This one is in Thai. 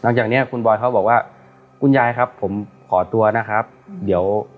จากเนี้ยคุณบอยเขาบอกว่าคุณยายครับผมขอตัวนะครับเดี๋ยว